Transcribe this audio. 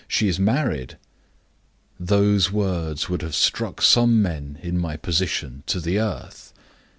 'She is married.' Those words would have struck some men, in my position, to the earth.